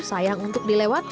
sayang untuk dilewatkan